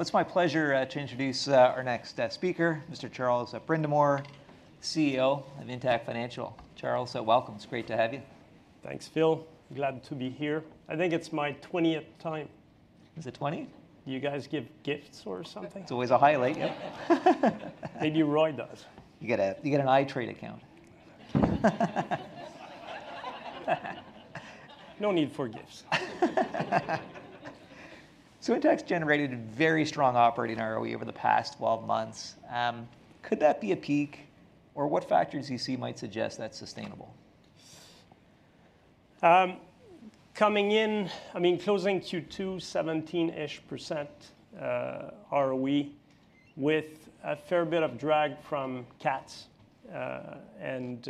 All right. Well, it's my pleasure to introduce our next speaker, Mr. Charles Brindamour, CEO of Intact Financial. Charles, welcome. It's great to have you. Thanks, Phil. Glad to be here. I think it's my 20th time. Is it 20? Do you guys give gifts or something? It's always a highlight, yep. Maybe Roy does. You get an iTrade account. No need for gifts. So Intact's generated a very strong operating ROE over the past 12 months. Could that be a peak, or what factors do you see might suggest that's sustainable? Coming in, I mean, closing Q2, 17-ish% ROE, with a fair bit of drag from CATs, and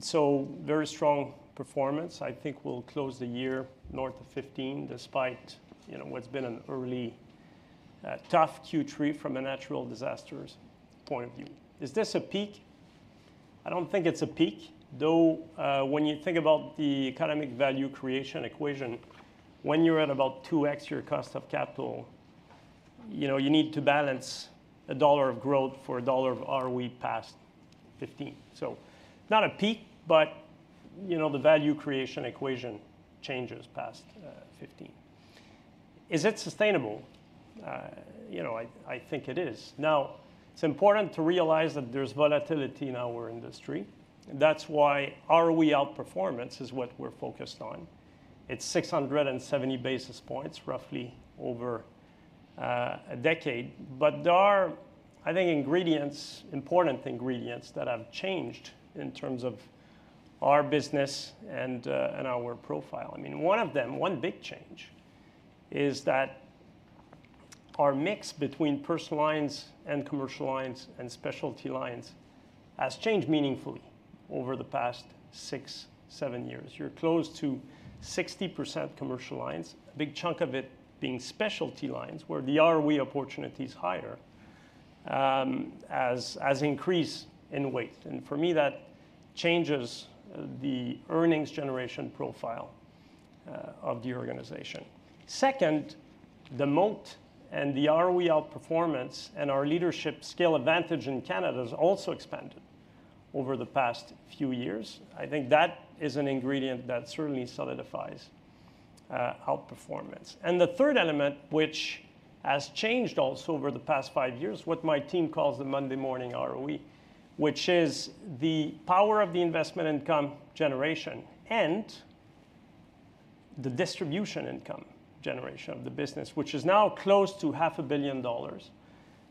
so very strong performance. I think we'll close the year north of 15%, despite, you know, what's been an early, tough Q3 from a natural disasters point of view. Is this a peak? I don't think it's a peak, though, when you think about the economic value creation equation, when you're at about 2X your cost of capital, you know, you need to balance a dollar of growth for a dollar of ROE past 15%. So not a peak, but, you know, the value creation equation changes past 15%. Is it sustainable? You know, I think it is. Now, it's important to realize that there's volatility in our industry, and that's why ROE outperformance is what we're focused on. It's 670 basis points, roughly over a decade. But there are, I think, ingredients, important ingredients, that have changed in terms of our business and our profile. I mean, one of them, one big change is that our mix between personal lines and commercial lines and specialty lines has changed meaningfully over the past six-seven years. We're close to 60% commercial lines, a big chunk of it being specialty lines, where the ROE opportunity is higher, as its increase in weight. And for me, that changes the earnings generation profile of the organization. Second, the moat and the ROE outperformance and our leadership scale advantage in Canada has also expanded over the past few years. I think that is an ingredient that certainly solidifies outperformance. And the third element, which has changed also over the past five years, what my team calls the Monday Morning ROE, which is the power of the investment income generation and the distribution income generation of the business, which is now close to 500 million dollars.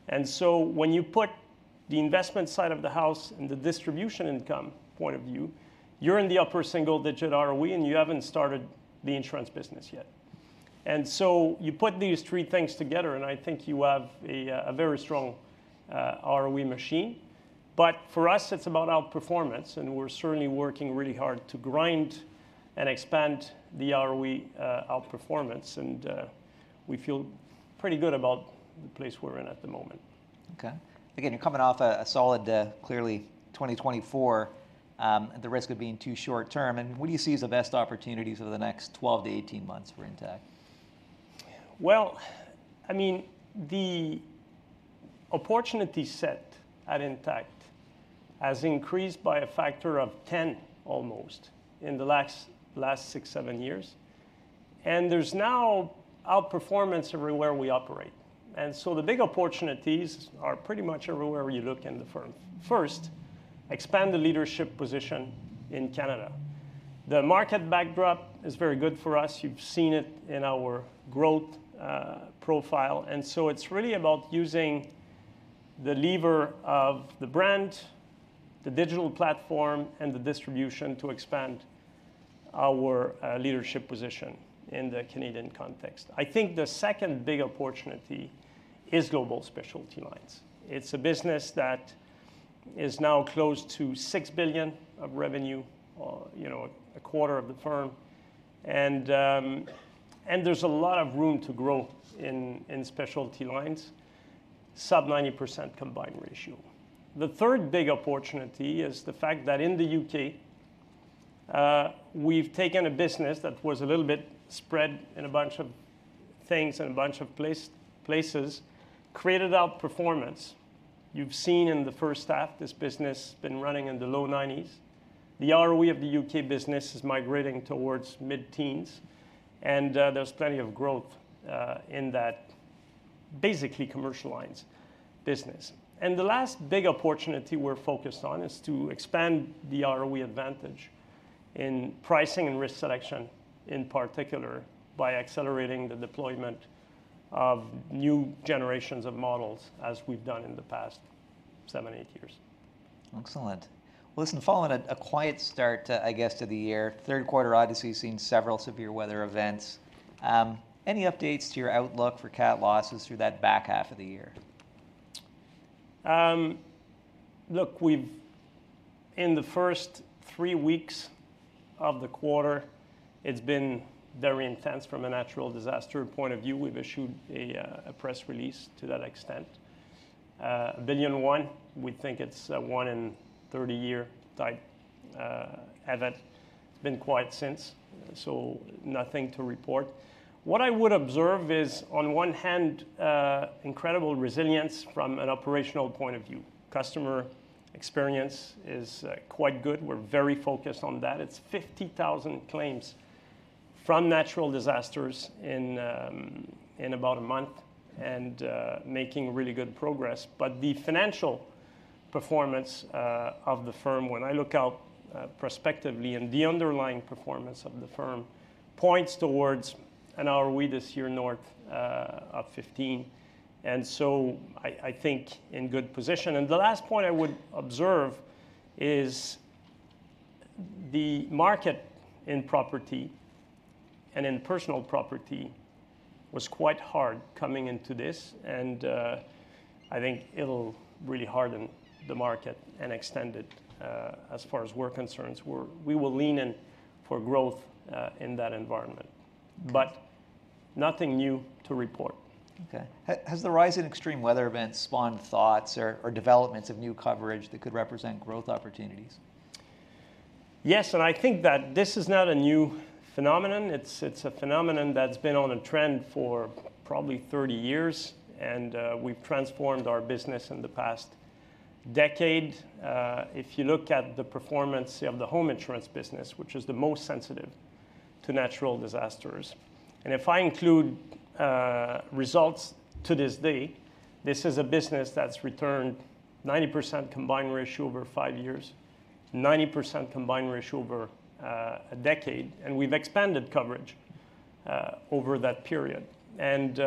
And so when you put the investment side of the house and the distribution income point of view, you're in the upper single-digit ROE, and you haven't started the insurance business yet. And so you put these three things together, and I think you have a very strong ROE machine. But for us, it's about outperformance, and we're certainly working really hard to grind and expand the ROE outperformance, and we feel pretty good about the place we're in at the moment. Okay. Again, you're coming off a solid, clearly twenty twenty-four, at the risk of being too short term, and what do you see as the best opportunities over the next 12-18 months for Intact? I mean, the opportunity set at Intact has increased by a factor of 10, almost, in the last six, seven years, and there's now outperformance everywhere we operate. So the big opportunities are pretty much everywhere you look in the firm. First, expand the leadership position in Canada. The market backdrop is very good for us. You've seen it in our growth profile, and so it's really about using the lever of the brand, the digital platform, and the distribution to expand our leadership position in the Canadian context. I think the second big opportunity is global specialty lines. It's a business that is now close to 6 billion of revenue or, you know, a quarter of the firm. And there's a lot of room to grow in specialty lines, sub 90% combined ratio. The third big opportunity is the fact that in the U.K., we've taken a business that was a little bit spread in a bunch of things and a bunch of places, created outperformance. You've seen in the first half, this business has been running in the low 90s. The ROE of the U.K. business is migrating towards mid-teens, and there's plenty of growth in that basically commercial lines business, and the last big opportunity we're focused on is to expand the ROE advantage in pricing and risk selection, in particular, by accelerating the deployment of new generations of models, as we've done in the past seven, eight years. Excellent. Well, listen, following a quiet start, I guess, to the year, Q3, obviously, seen several severe weather events. Any updates to your outlook for CAT losses through that back half of the year? Look, we've in the first three weeks of the quarter, it's been very intense from a natural disaster point of view. We've issued a press release to that extent. One billion. We think it's a one-in-30-year type event. It's been quiet since, so nothing to report. What I would observe is, on one hand, incredible resilience from an operational point of view. Customer experience is quite good. We're very focused on that. It's 50,000 claims from natural disasters in about a month, and making really good progress. But the financial performance of the firm, when I look out prospectively, and the underlying performance of the firm, points towards an ROE this year, north of 15%, and so I think in good position. And the last point I would observe is the market in property and in personal property was quite hard coming into this, and I think it'll really harden the market and extend it, as far as we're concerned. We will lean in for growth in that environment. But nothing new to report. Okay. Has the rise in extreme weather events spawned thoughts or developments of new coverage that could represent growth opportunities? Yes, and I think that this is not a new phenomenon. It's a phenomenon that's been on a trend for probably 30 years, and we've transformed our business in the past decade. If you look at the performance of the home insurance business, which is the most sensitive to natural disasters, and if I include results to this day, this is a business that's returned 90% combined ratio over five years, 90% combined ratio over a decade, and we've expanded coverage over that period, and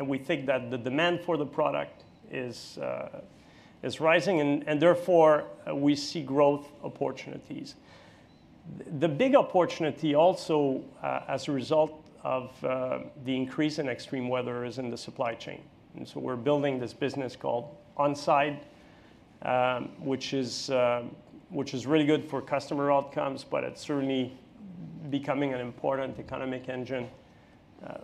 we think that the demand for the product is rising and therefore, we see growth opportunities. The big opportunity also, as a result of the increase in extreme weather, is in the supply chain, and so we're building this business called On Side, which is really good for customer outcomes, but it's certainly becoming an important economic engine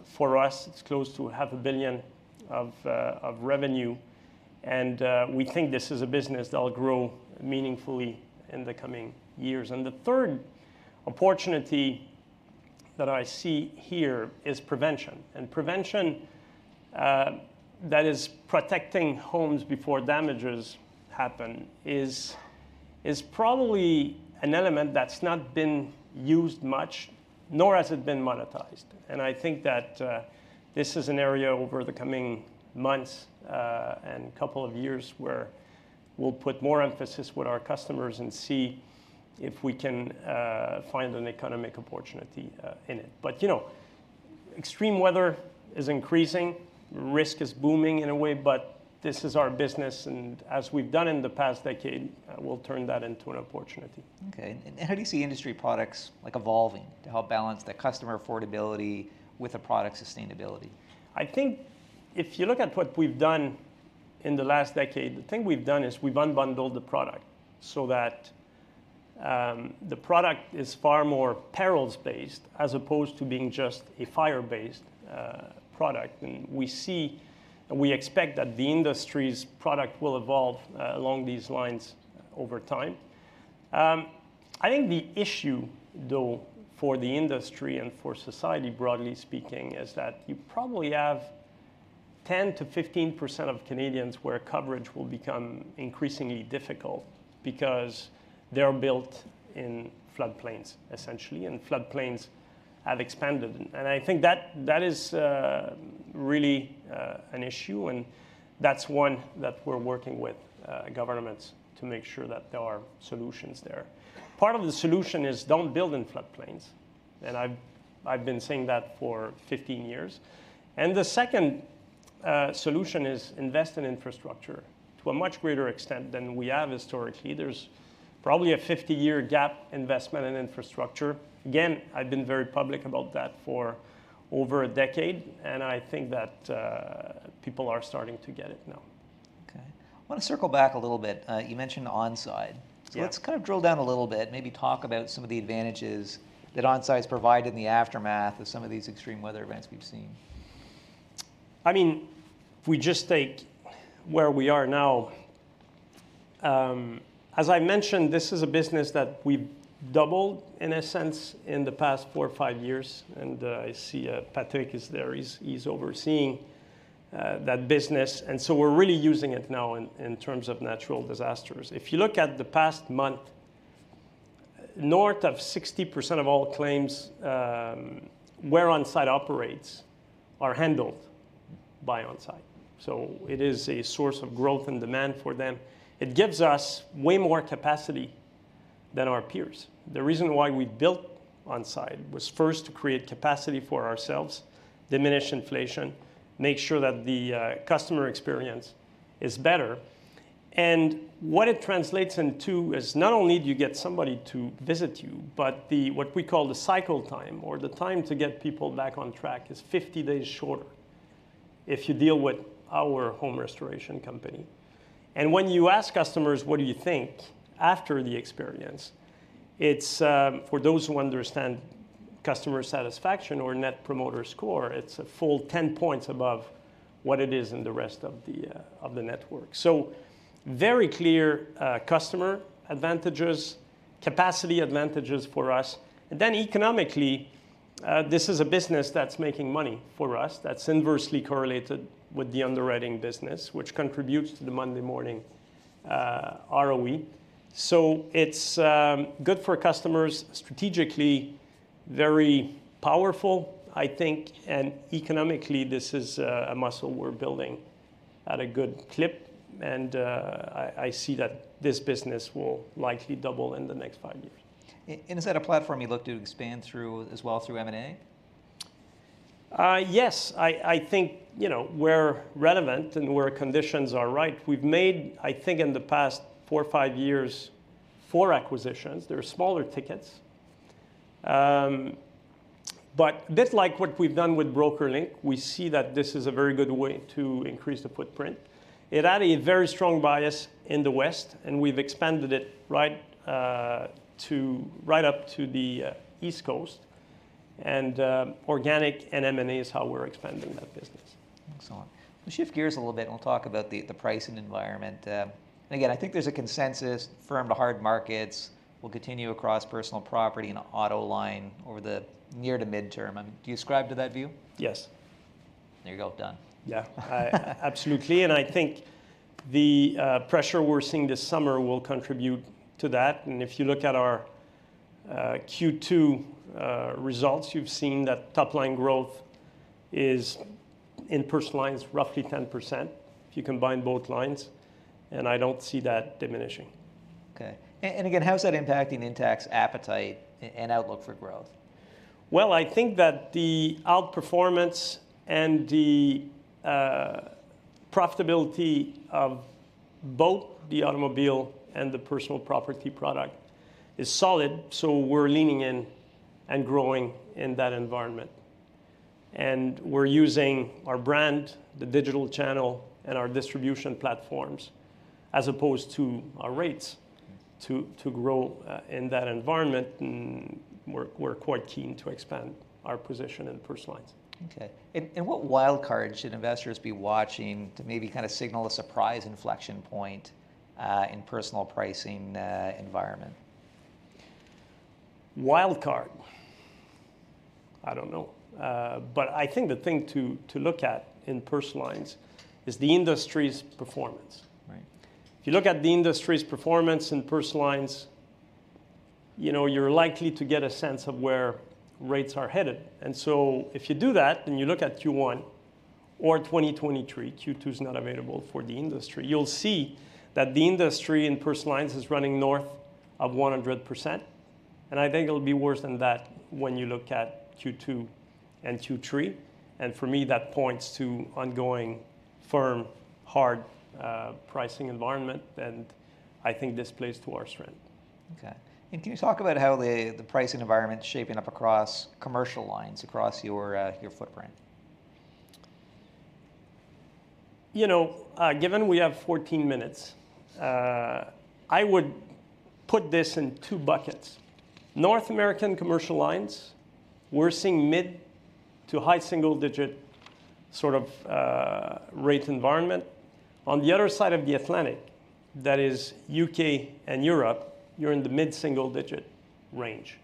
for us. It's close to 500 million of revenue, and we think this is a business that'll grow meaningfully in the coming years. The third opportunity that I see here is prevention, and prevention that is protecting homes before damages happen is probably an element that's not been used much, nor has it been monetized. I think that this is an area over the coming months and couple of years, where we'll put more emphasis with our customers and see if we can find an economic opportunity in it. But, you know, extreme weather is increasing, risk is booming in a way, but this is our business, and as we've done in the past decade, we'll turn that into an opportunity. Okay. And how do you see industry products like evolving to help balance the customer affordability with the product sustainability? I think if you look at what we've done in the last decade, the thing we've done is we've unbundled the product so that, the product is far more perils-based, as opposed to being just a fire-based, product. And we see and we expect that the industry's product will evolve, along these lines over time. I think the issue, though, for the industry and for society, broadly speaking, is that you probably have 10%-15% of Canadians where coverage will become increasingly difficult because they're built in floodplains, essentially, and floodplains have expanded. And I think that is really an issue, and that's one that we're working with, governments to make sure that there are solutions there. Part of the solution is don't build in floodplains, and I've been saying that for 15 years. The second solution is invest in infrastructure to a much greater extent than we have historically. There's probably a 50-year gap investment in infrastructure. Again, I've been very public about that for over a decade, and I think that people are starting to get it now. Okay. I want to circle back a little bit. You mentioned On Side. Yeah. So let's kind of drill down a little bit, maybe talk about some of the advantages that On Side's provided in the aftermath of some of these extreme weather events we've seen. I mean, if we just take where we are now, as I mentioned, this is a business that we've doubled, in a sense, in the past four or five years, and I see Patrick is there. He's overseeing that business, and so we're really using it now in terms of natural disasters. If you look at the past month, north of 60% of all claims where On Side operates are handled by On Side, so it is a source of growth and demand for them. It gives us way more capacity than our peers. The reason why we built On Side was first to create capacity for ourselves, diminish inflation, make sure that the customer experience is better. And what it translates into is, not only do you get somebody to visit you, but what we call the cycle time or the time to get people back on track is 50 days shorter if you deal with our home restoration company. And when you ask customers, "What do you think?" after the experience, it's for those who understand customer satisfaction or Net Promoter Score. It's a full 10 points above what it is in the rest of the network. So very clear customer advantages, capacity advantages for us, and then economically, this is a business that's making money for us, that's inversely correlated with the underwriting business, which contributes to the Monday Morning ROE. So it's good for customers, strategically very powerful, I think, and economically, this is a muscle we're building at a good clip, and I see that this business will likely double in the next five years. And is that a platform you look to expand through, as well, through M&A? Yes. I think, you know, where relevant and where conditions are right, we've made, I think in the past four or five years, four acquisitions. They're smaller tickets. But a bit like what we've done with BrokerLink, we see that this is a very good way to increase the footprint. It added a very strong base in the West, and we've expanded it right up to the East Coast, and organic and M&A is how we're expanding that business. Excellent. We'll shift gears a little bit, and we'll talk about the pricing environment. And again, I think there's a consensus firm to hard markets will continue across personal property and auto line over the near- to mid-term. Do you ascribe to that view? Yes. There you go. Done. Yeah. Absolutely, and I think the pressure we're seeing this summer will contribute to that, and if you look at our Q2 results, you've seen that top-line growth is in personal lines roughly 10%, if you combine both lines, and I don't see that diminishing. Okay. And again, how is that impacting Intact's appetite and outlook for growth? I think that the outperformance and the profitability of both the automobile and the personal property product is solid, so we're leaning in and growing in that environment. We're using our brand, the digital channel, and our distribution platforms, as opposed to our rates- Yes... to grow in that environment, and we're quite keen to expand our position in personal lines. Okay. And what wild card should investors be watching to maybe kind of signal a surprise inflection point in personal pricing environment? Wild card? I don't know. But I think the thing to look at in personal lines is the industry's performance. Right. If you look at the industry's performance in personal lines, you know, you're likely to get a sense of where rates are headed, and so if you do that, and you look at Q1 of twenty twenty-three, Q2 is not available for the industry, you'll see that the industry in personal lines is running north of 100%, and I think it'll be worse than that when you look at Q2 and Q3, and for me, that points to ongoing firm, hard, pricing environment, and I think this plays to our strength. Okay. And can you talk about how the pricing environment is shaping up across commercial lines, across your footprint? You know, given we have 14 minutes, I would put this in two buckets. North American commercial lines, we're seeing mid to high single digit, sort of, rate environment. On the other side of the Atlantic, that is U.K. and Europe, you're in the mid single digit range,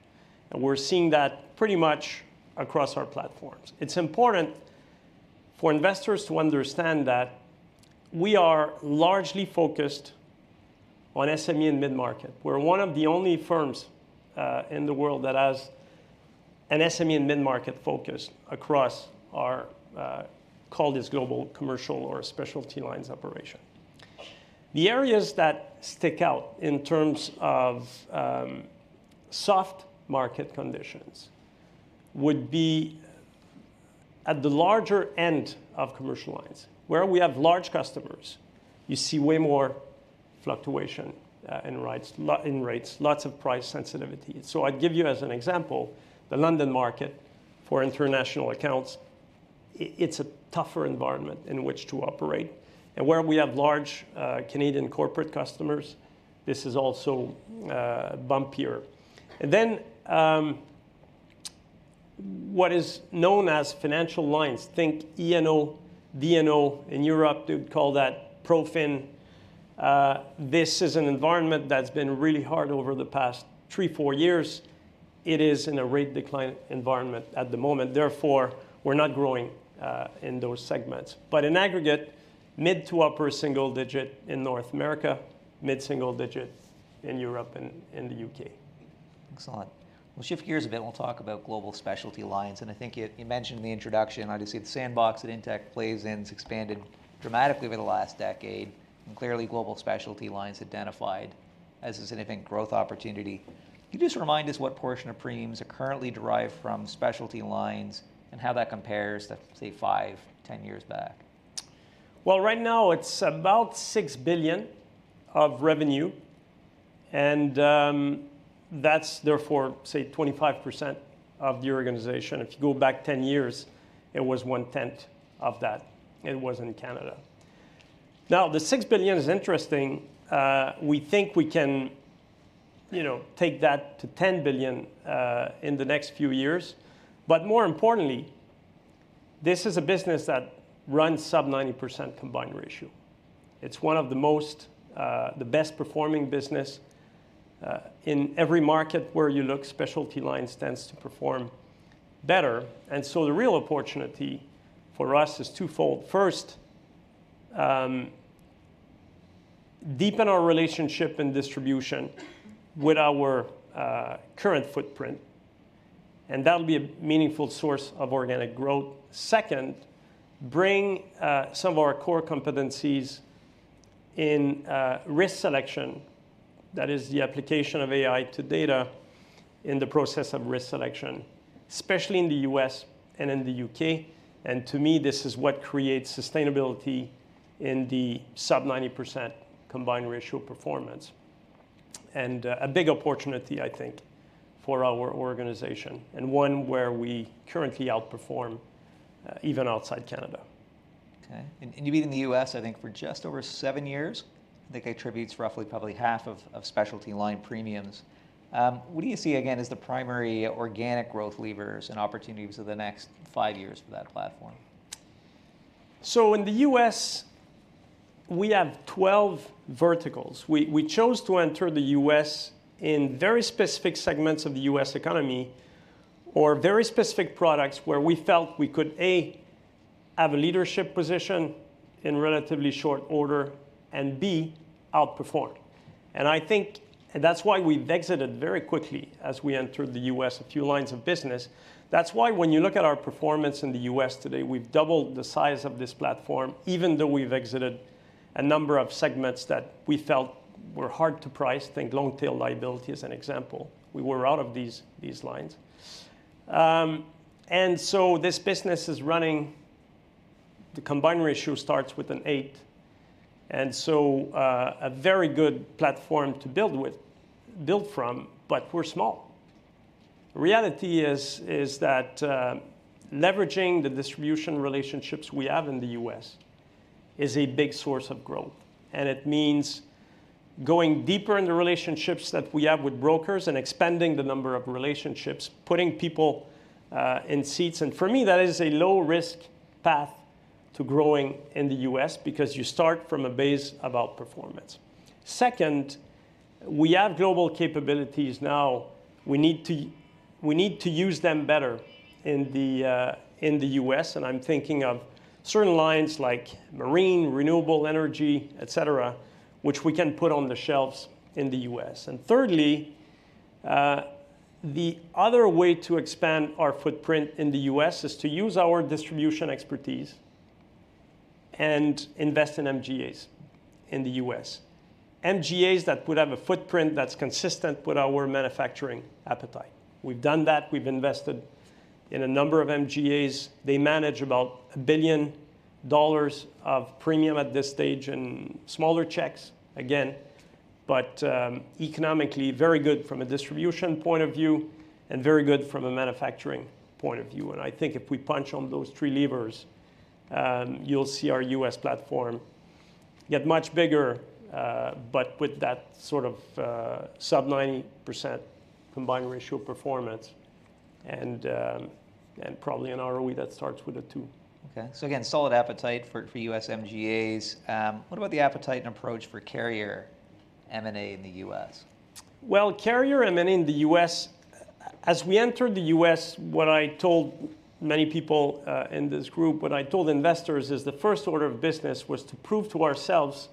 and we're seeing that pretty much across our platforms. It's important for investors to understand that we are largely focused on SME and mid-market. We're one of the only firms in the world that has an SME and mid-market focus across our global commercial or specialty lines operation. The areas that stick out in terms of soft market conditions would be at the larger end of commercial lines. Where we have large customers, you see way more fluctuation in rates, lots of price sensitivity. So I'd give you as an example, the London market for international accounts. It's a tougher environment in which to operate. And where we have large Canadian corporate customers, this is also bumpier. And then, what is known as financial lines, think E&O, D&O. In Europe, they would call that Profin. This is an environment that's been really hard over the past three, four years. It is in a rate decline environment at the moment, therefore, we're not growing in those segments. But in aggregate, mid to upper single digit in North America, mid single digit in Europe and in the U.K. Excellent. We'll shift gears a bit, and we'll talk about global specialty lines. And I think you, you mentioned in the introduction, obviously, the sandbox that Intact plays in has expanded dramatically over the last decade, and clearly, global specialty lines identified as a significant growth opportunity. Can you just remind us what portion of premiums are currently derived from specialty lines and how that compares to, say, five, 10 years back? Right now, it's about 6 billion of revenue, and that's therefore, say, 25% of the organization. If you go back 10 years, it was one-tenth of that. It was in Canada. Now, the 6 billion is interesting. We think we can, you know, take that to 10 billion in the next few years, but more importantly, this is a business that runs sub 90% combined ratio. It's one of the most, the best performing business. In every market where you look, specialty lines tends to perform better, and so the real opportunity for us is twofold. First, deepen our relationship and distribution with our current footprint, and that'll be a meaningful source of organic growth. Second, bring some of our core competencies in risk selection. That is the application of AI to data in the process of risk selection, especially in the U.S. and in the U.K., and to me, this is what creates sustainability in the sub-90% combined ratio performance, and a big opportunity, I think, for our organization, and one where we currently outperform even outside Canada. Okay. And you've been in the U.S., I think, for just over seven years. I think it attributes roughly probably half of specialty line premiums. What do you see again as the primary organic growth levers and opportunities of the next five years for that platform? So in the U.S., we have 12 verticals. We chose to enter the U.S. in very specific segments of the U.S. economy, or very specific products where we felt we could, A, have a leadership position in relatively short order, and B, outperform. And I think, and that's why we've exited very quickly as we entered the U.S., a few lines of business. That's why when you look at our performance in the U.S. today, we've doubled the size of this platform, even though we've exited a number of segments that we felt were hard to price. Think long tail liability as an example, we were out of these lines. And so this business is running, the combined ratio starts with an 8, and so, a very good platform to build with, build from, but we're small. The reality is that leveraging the distribution relationships we have in the U.S. is a big source of growth, and it means going deeper in the relationships that we have with brokers and expanding the number of relationships, putting people in seats. And for me, that is a low risk path to growing in the U.S. because you start from a base of outperformance. Second, we have global capabilities now. We need to use them better in the U.S., and I'm thinking of certain lines like marine, renewable energy, et cetera, which we can put on the shelves in the U.S. And thirdly, the other way to expand our footprint in the U.S. is to use our distribution expertise and invest in MGAs in the U.S. MGAs that would have a footprint that's consistent with our underwriting appetite. We've done that. We've invested in a number of MGAs. They manage about 1 billion dollars of premium at this stage, and smaller checks, again, but, economically, very good from a distribution point of view, and very good from a manufacturing point of view. I think if we punch on those three levers, you'll see our U.S. platform get much bigger, but with that sort of, sub 90% combined ratio performance and, and probably an ROE that starts with a two. Okay. So again, solid appetite for U.S. MGAs. What about the appetite and approach for carrier M&A in the U.S.? Carrier M&A in the U.S. As we entered the U.S., what I told many people in this group, what I told investors is the first order of business was to prove to ourselves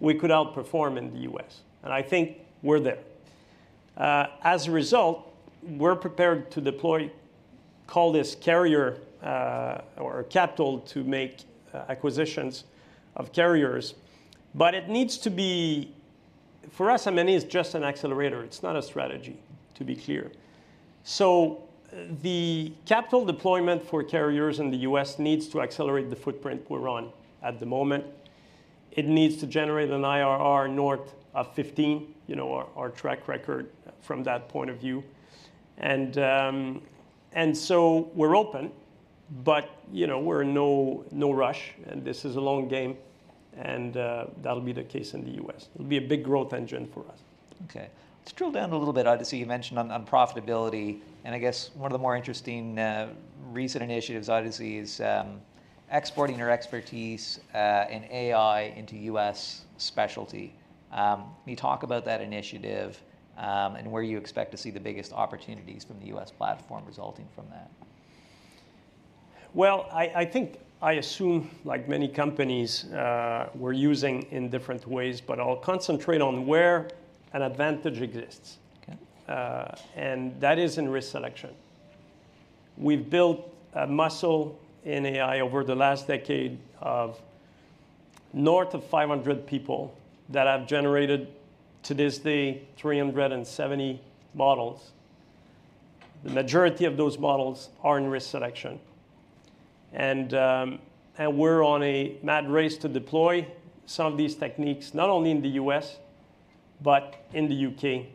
we could outperform in the U.S., and I think we're there. As a result, we're prepared to deploy capital to make acquisitions of carriers. But it needs to be, for us, M&A is just an accelerator, it's not a strategy, to be clear. The capital deployment for carriers in the U.S. needs to accelerate the footprint we're on at the moment. It needs to generate an IRR north of 15, you know, our track record from that point of view. And, and so we're open, but, you know, we're in no, no rush, and, that'll be the case in the U.S. It'll be a big growth engine for us. Okay. Let's drill down a little bit, Charles. You mentioned on profitability, and I guess one of the more interesting recent initiatives, Charles, is exporting your expertise in AI into U.S. specialty. Can you talk about that initiative, and where you expect to see the biggest opportunities from the U.S. platform resulting from that? I think I assume, like many companies, we're using in different ways, but I'll concentrate on where an advantage exists. Okay. That is in risk selection. We've built a muscle in AI over the last decade of north of 500 people that have generated, to this day, 370 models. The majority of those models are in risk selection. We're on a mad race to deploy some of these techniques, not only in the U.S., but in the U.K.,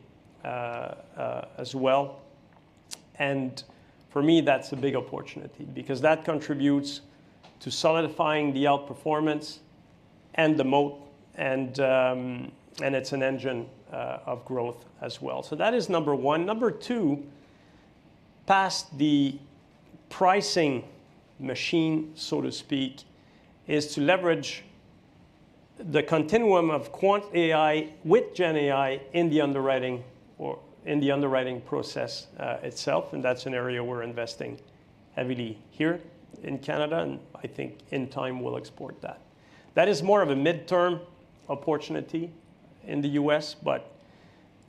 as well, and for me, that's a big opportunity, because that contributes to solidifying the outperformance and the moat, and it's an engine of growth as well. That is number one. Number two, past the pricing machine, so to speak, is to leverage the continuum of quant AI with GenAI in the underwriting or in the underwriting process, itself, and that's an area we're investing heavily here in Canada, and I think in time we'll export that. That is more of a midterm opportunity in the U.S., but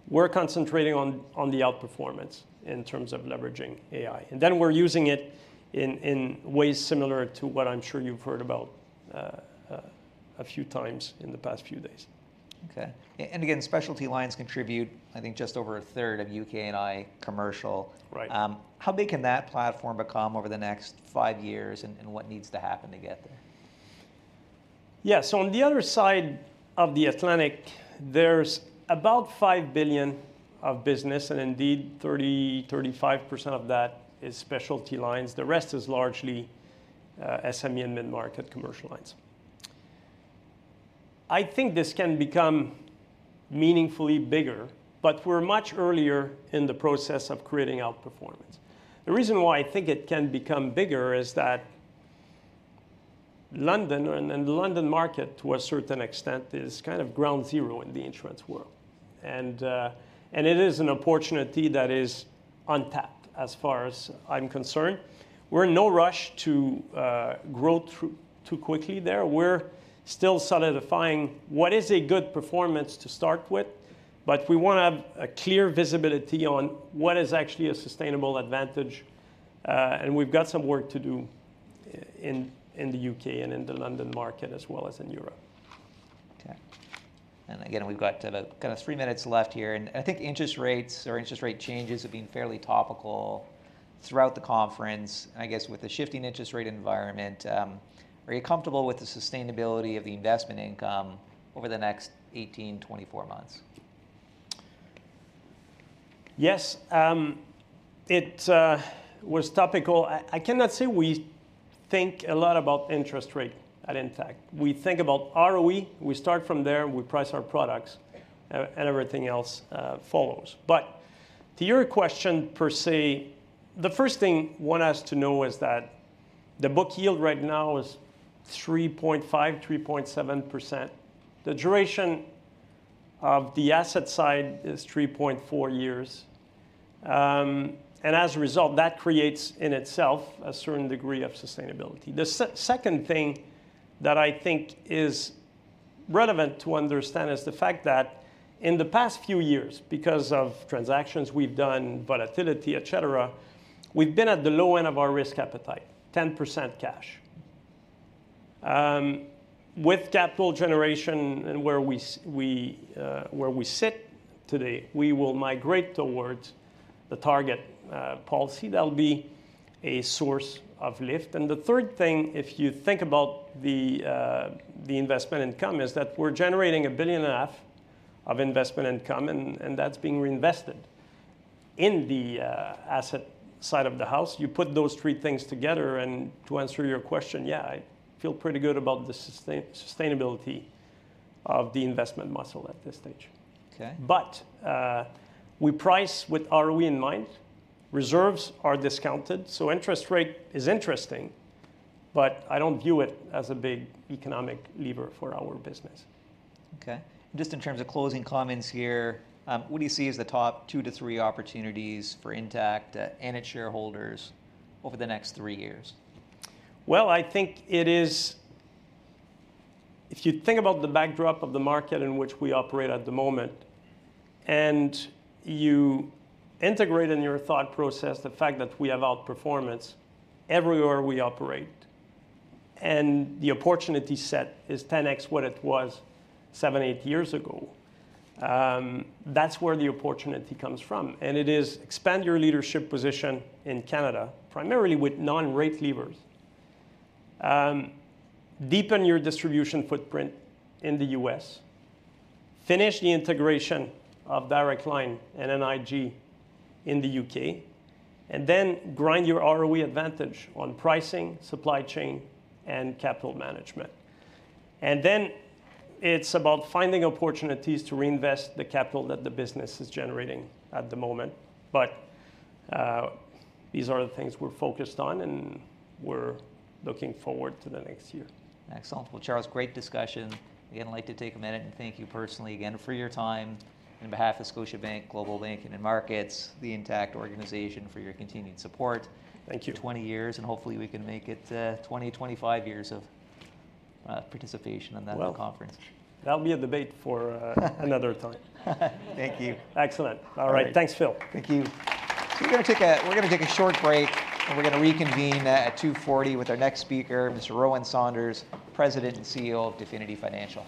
we're concentrating on the outperformance in terms of leveraging AI. And then we're using it in ways similar to what I'm sure you've heard about a few times in the past few days. Okay. And again, specialty lines contribute, I think, just over a third of U.K. and Intact commercial. Right. How big can that platform become over the next five years, and what needs to happen to get there? Yeah, so on the other side of the Atlantic, there's about 5 billion of business, and indeed, 30%-35% of that is specialty lines. The rest is largely SME and mid-market commercial lines. I think this can become meaningfully bigger, but we're much earlier in the process of creating outperformance. The reason why I think it can become bigger is that London, and the London market, to a certain extent, is kind of ground zero in the insurance world. And it is an opportunity that is untapped, as far as I'm concerned. We're in no rush to grow through too quickly there. We're still solidifying what is a good performance to start with, but we want to have a clear visibility on what is actually a sustainable advantage. And we've got some work to do in the U.K. and in the London market, as well as in Europe. Okay. And again, we've got kind of three minutes left here, and I think interest rates or interest rate changes have been fairly topical throughout the conference. And I guess with the shifting interest rate environment, are you comfortable with the sustainability of the investment income over the next 18-24 months? Yes. It was topical. I cannot say we think a lot about interest rate at Intact. We think about ROE. We start from there, and we price our products- Yeah... and everything else follows. But to your question, per se, the first thing one has to know is that the book yield right now is 3.5%-3.7%. The duration of the asset side is 3.4 years. And as a result, that creates in itself a certain degree of sustainability. The second thing that I think is relevant to understand is the fact that in the past few years, because of transactions we've done, volatility, et cetera, we've been at the low end of our risk appetite, 10% cash. With capital generation and where we, where we sit today, we will migrate towards the target, policy. That'll be a source of lift. And the third thing, if you think about the investment income, is that we're generating 1.5 billion of investment income, and that's being reinvested in the asset side of the house. You put those three things together, and to answer your question, yeah, I feel pretty good about the sustainability of the investment muscle at this stage. Okay. But, we price with ROE in mind. Reserves are discounted, so interest rate is interesting, but I don't view it as a big economic lever for our business. Okay. Just in terms of closing comments here, what do you see as the top two to three opportunities for Intact, and its shareholders over the next three years? I think it is... If you think about the backdrop of the market in which we operate at the moment, and you integrate in your thought process the fact that we have outperformance everywhere we operate, and the opportunity set is 10x what it was seven, eight years ago, that's where the opportunity comes from. And it is expand your leadership position in Canada, primarily with non-rate levers. Deepen your distribution footprint in the U.S. Finish the integration of Direct Line and NIG in the U.K., and then grind your ROE advantage on pricing, supply chain, and capital management. And then it's about finding opportunities to reinvest the capital that the business is generating at the moment, but, these are the things we're focused on, and we're looking forward to the next year. Excellent. Well, Charles, great discussion. Again, I'd like to take a minute and thank you personally again for your time, on behalf of Scotiabank Global Banking and Markets, the Intact organization, for your continued support- Thank you... for 20 years, and hopefully, we can make it 20, 25 years of participation in that conference. Well, that'll be a debate for another time. Thank you. Excellent. All right. Thanks, Phil. Thank you. We're gonna take a short break, and we're gonna reconvene at 2:40 P.M. with our next speaker, Mr. Rowan Saunders, President and CEO of Definity Financial.